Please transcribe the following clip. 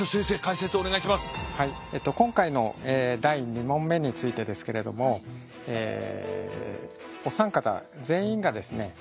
今回の第２問目についてですけれどもお三方全員がですね